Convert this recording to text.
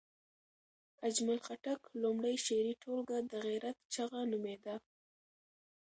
اجمل خټک لومړۍ شعري ټولګه د غیرت چغه نومېده.